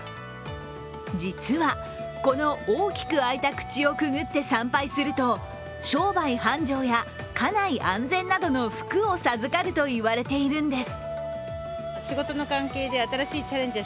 実は、この大きく開いた口をくぐって参拝すると商売繁盛や家内安全などの福を授かると言われているんです。